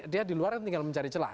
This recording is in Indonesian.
dia di luar kan tinggal mencari celah